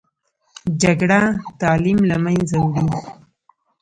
جګړه تعلیم له منځه وړي